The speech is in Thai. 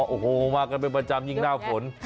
โอ้โหมากันเป็นประจำยิ่งหน้าฝน